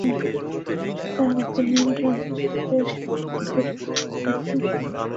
সাদা, হালকা নীল রঙের শার্টের সঙ্গে পরতে পারেন মেরুন, সবুজ রঙের প্যান্টও।